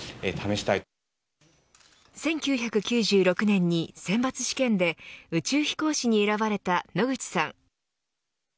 １９９６年に選抜試験で宇宙飛行士に選ばれた野口さん。